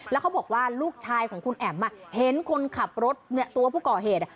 แล้วเขาบอกว่าลูกชายของคุณแอ๋มเห็นคนขับรถเนี่ยตัวผู้ก่อเหตุ